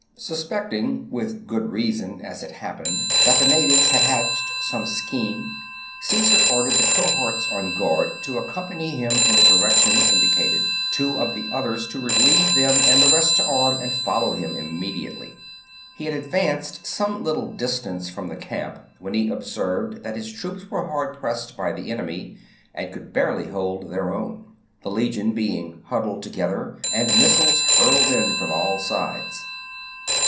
Sus pecting (with good reason, as it happened) that the natives had hatched some scheme, Caesar ordered the cohorts on guard to accompany him in the direction indicated, two of the others to relieve them, and the rest to arm and follow him immediately. He had advanced some little dis IV OF BRITAIN 121 tance from the camp when he observed that his 55 b.c. troops were hard pressed by the enemy and could barely hold their own, the legion being huddled together and missiles hurled in from all sides.